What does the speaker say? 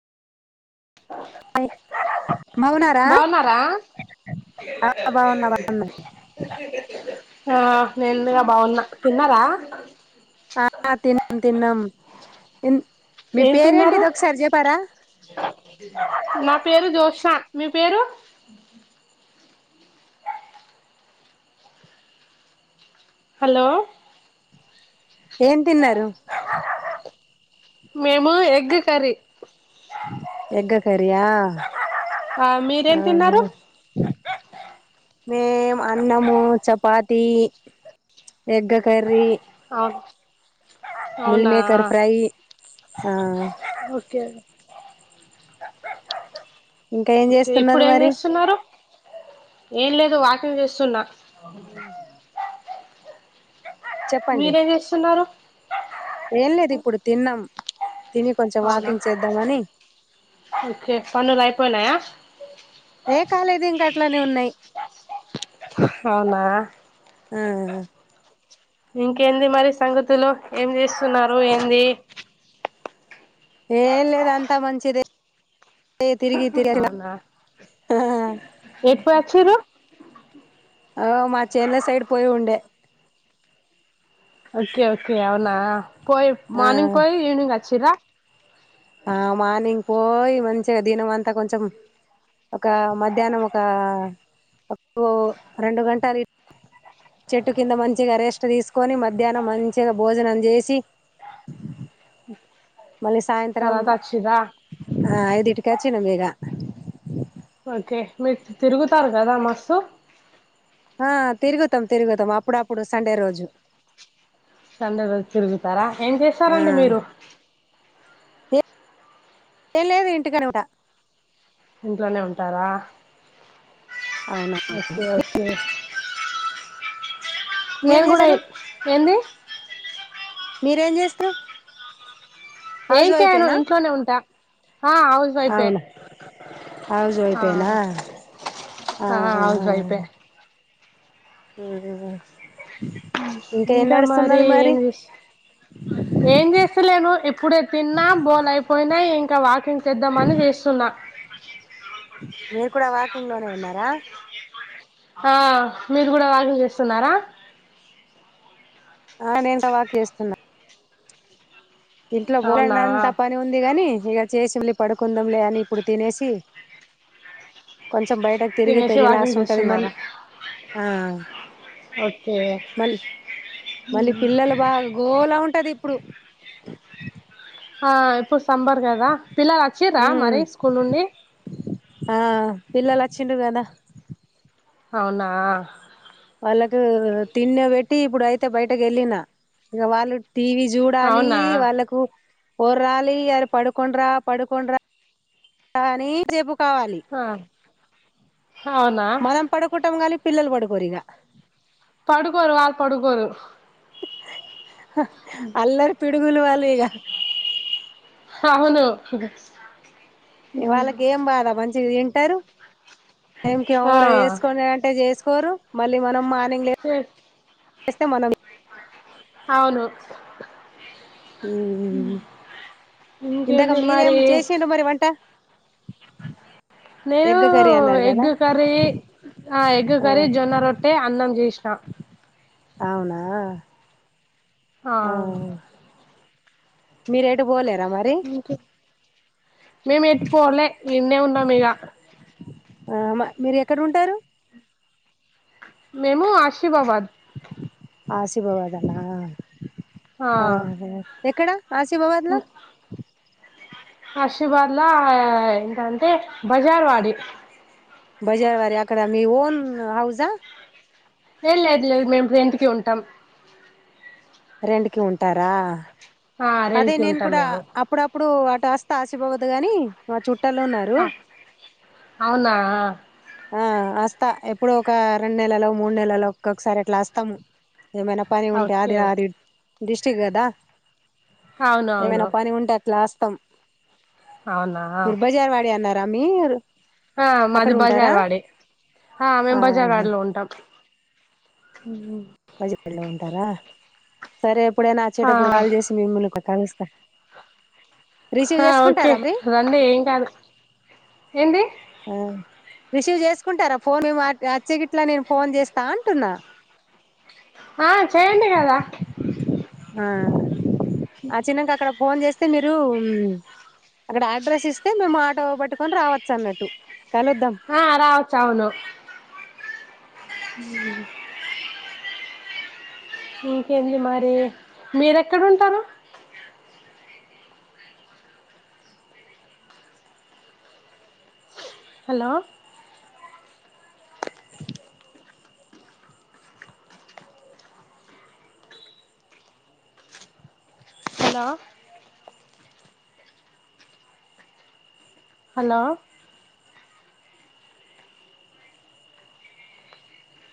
బావున్నారా బాగున్నారా ఆ బావున్నా బావున్నా ఆ నేనుందుగా బాగున్నా తిన్నార తిినం తిినం ఎం ఏం తిన్నారు నా పేరు జోష మీ పేరు హలో ఏన్ తిన్నారురు మేము ఎగ్ కర్రీ ఎగ్గ కారయా ఆ మీరేం తిన్నారు మేం అన్నము చపాతి ఎగ్గ కర్రీ అవు అవునా మిల్మేకర్ ఫ్రై ఆ ఓకే ఇంకా ఏం ఓకే ఇప్పుడు చేస్తున్నారు ఏం మరి చేస్తున్నారు ఏం లేదు వాకింగ్ చేస్తున్నా అ చెప్పండి చేస్తున్నారు ఏం లేదు ఇప్పుడు తిన్నాం తిని కొంచెం అవునా వాకింగ్ చేద్దాంమని ఓకే పన్నులు అయిపోయినాయా ఏ కాలేదు ఇంక అట్లనే ఉన్నాయి అవునా ఆ ఇంకేంది మరి సంగతులు ఏం చేస్తున్నారు ఏంది ఏలేదు అంతా మంచిది తిరిగి తిరిగ అవునా హా ఎవరు వచ్చిరు ఆఓ మా చేేల సైడ్ పోయి ఉండే ఓకే ఓకే అవునా పోయి ఆ మార్నింగ్ పోయి ఈవవినింగ్చ్చి చిరా ఆ మానింగ్ పోయి మంచిగా దినం అంతా కొంచెం ఒక మధ్యాహ్నం ఒక రెండు గంటలు చెట్టు కింద మంచిగా రెస్ట్ తీసుకొని మధ్యాహ్నం మంచిగా భోజనం చేసి ఉ మళ్ళీ సాయంత్రం ఆ ఐదుటిక చిన్న మీేద ఓకే మీరు తిరుగుతారు కదా మస్స్తు ఆ తిరుగుతాం తిరుగుతాం అప్పుడప్పుడు సండే రోజు సండే రోజు తిరుగుతారా ఏం ఆ చేస్తారంండి మీరు ఏేమీ లేదు ఇంటికనే ఉంటా. ఇంట్లోనే ఉంటారా అవునా ఓకే ఓకే మీరేం నేను కూడా చేశారు ఏంది మీరేం చేస్తారు ఏం హౌస్ చేయను వైఫేనా ఇంట్లోనే ఉంటా ఆ హౌస్ వైఫే ఆ హౌస్ వైఫే ఆ హా హౌస్ వైఫే అ ఇంకా మరి ఏం చే ఏం చేస్తలేను ఇప్పుడే తిన్నా బోల్ అయిపోయినాం వాకింగ్ చేద్దామని చేస్తున్నా అ మీరు కూడా వాకింగ్ లోనే ఉన్నారా ఆ మీరు కూడా వాకింగ్ చేస్తున్నారా ఆ నేంట వాక్ చేస్తున్నా ఇింట్లో బోర అవునా అంతా పని ఉంది గని ఇక చేసింలే పడుకుందాంలే అని ఇప్పుడు తినేసి కొంచెం బయటకు తిరిగి తినేసి తెరిలాసి వాకింగ్ ఉంటుంది మళ్ళ చేస్తున్నారా ఆ ఓకే మ మళ్ళీ పిల్లలు బాగా గోలా ఉంట పంటది ఇప్పుడు ఆ సంబర్ కదా పిల్లలు వచ్చిరా ఉమ్ మరి స్కూల్ నుండి ఆ పిల్లలు వచ్చిండ కదా అవునా వాళ్ళకి తిన్న పెట్టి ఇప్పుడు అయితే బయటకి వెళ్ళిన ఇక వాళ్ళు టీవీ చూడాలి అవునా వాళ్ళకు ఒరాళి అర పడుకోండ్రా పడుకోండ్రా కాని ఆ అవునా మనం పడుకుంటాం కానీ పిల్లలు పడుకోరు ఇక పడుకోరు వాళ్లు పడుకోరు అల్లరి పి గులు వాలేగా అవును ఇ వాళ్ళకి ఏం బాదా మంచి ఎంటి తారు ఏం క ఆ ఎవరు చేసుకోని అంటే చే కోరు మళ్ళీ మనం మా హ చేస్తే మనం అవును ఇందాక ఇంకేంది మీరేం మరి చేసిడు మరి వంట నేను ఎగ్ కర్రీ అన్నారు కదా ఎగ్ కర్రీ ఆ ఎగ్ కర్రీ జొన్న రొట్టె అన్నం చేసినా అ అవునా ఆ మీ రేటు బోలేదా మరి మేముటి పోవలే నిన్నే ఉన్నా మీగా ఆ మా మీరు ఎక్కడ ఉంటారు. మేము ఆశీర్వావాద్ ఆశీభవదలా ఆ ఎక్కడా ఆశిభవాద్లా ఆశీర్వాద్లా ఏంటంటే బజార్వాడి బజార వడ అక్కడ మీ ఓన్ హాౌజా లే లేదు లేదు మేము ఇడు ఇంటికి ఉంటాం. రెంట్ కి ఉంటారా ఆ అదే రెంట్ కి నేను ఉంటాం కూడా మేము అప్పుడప్పు ఇప్పుడు వాటుస్త ఆసిపోవద్దు కాని చుట్ట ఆ అవునా స్త ఎప్పుడు ఒక రెండు నెలలో మూడు నెలలో ఒక్కొసారి అట్లా వస్తాము. ఏమైనా పని ఉంటే ఓకే అది అది ఓకే డిస్టిక్ గదా అవును అవును ఏమేనా పని ఉంటా క్లాస్తం అవునా ఫరు బజార వాడి అన గమేరు ఆ మాది బజార్వాడ, ఆ మేము బజార్వాడిలో ఉంటాం. ఉ బజపలో ఉంటారా సరే ఎప్పుడైనా ఆ వచ్చేటప్పుడు కలు చేసి మిముల్లు కలి ఆ [unintelligible] ఆ ఓకే రండి ఏం కాదు ఏంటి ఆ రిసీవ్ చేసుకుంటారా, ఫోన్ మ వచ్చేగిట్లా నేను ఫోన్ చేస్తా అంటున్నా. ఆ చేయండి కదా ఆ అచ్చినంక అక్కడ ఫోన్ చేస్త అంటే మీరు అక్కడ అడ్రస్ ఇస్తే మేము ఆటో పట్టుకొని రావచ్చు అన్నట్టు. కలుద్దాం ఆ రవచ్చవును. [unintelligible] ఇంకేంటి మరి మీర ఎక్కడ ఉంటారు హలో హలో హలో